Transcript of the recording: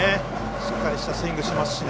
しっかりしたスイングをしてますしね。